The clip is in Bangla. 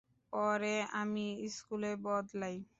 পরে আমি স্কুলে বদলাই।